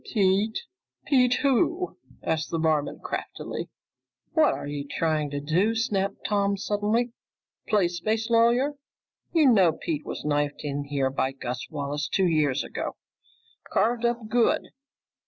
"Pete? Pete who?" asked the barman craftily. "What are you trying to do?" snapped Tom suddenly. "Play space lawyer? You know Pete was knifed in here by Gus Wallace two years ago! Carved up good!"